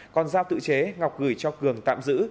còn giao tự chế ngọc gửi cho cường tạm giữ